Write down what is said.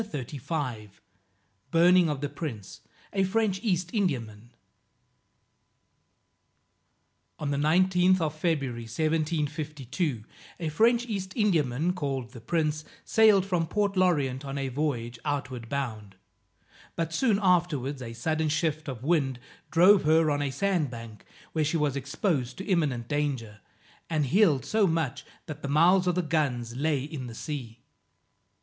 BURNING OF THE PRINCE, A FRENCH EAST INDIAMAN. On the 19th of February 1752, a French East Indiaman, called the Prince, sailed from Port L'Orient on a voyage outward bound. But soon afterwards, a sudden shift of wind drove her on a sand bank, where she was exposed to imminent danger, and heeled so much that the mouths of the guns lay in the sea.